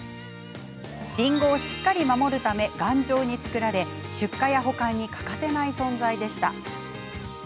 りんごをしっかり守るため頑丈に作られ出荷や保管に欠かせない存在でした。